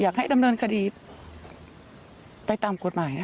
อยากให้ดำเนินคดีไปตามกฎหมาย